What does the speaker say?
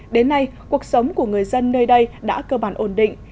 đến nay cuộc sống của người dân nơi đây đã cơ bản ổn định